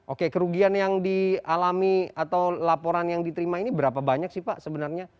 oke kerugian yang dialami atau laporan yang diterima ini berapa banyak sih pak sebenarnya